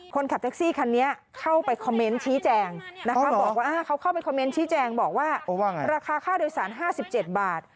คนขับแท็กซี่คันนี้เข้าไปคอมเมนต์ชี้แจงนะคะบอกว่าเขาเข้าไปคอมเมนต์ชี้แจงบอกว่าราคาค่าโดยสาร๕๗บาท